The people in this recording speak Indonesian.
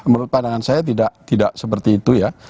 menurut pandangan saya tidak seperti itu ya